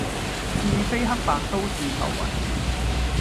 是非黑白都是浮雲